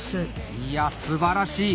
いやすばらしい。